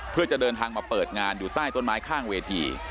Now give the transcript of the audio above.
เพื่อจะเดินทางมาเปิดงานอยู่ใต้ต้นไม้ข้างเวที